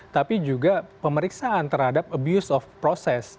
tapi juga pemeriksaan terhadap abuse of process